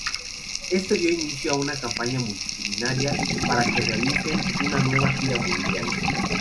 Esto dio inicio a una campaña multitudinaria para que realicen una nueva gira mundial.